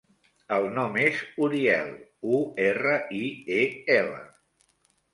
El nom és Uriel: u, erra, i, e, ela.